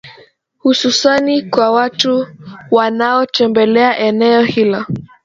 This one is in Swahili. Hususani kwa watu wanaotembelea eneo hilo